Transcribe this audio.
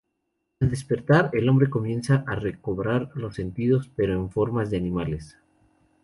Al despertar, el Hombre comienza a recobrar los sentidos, pero en formas de animales.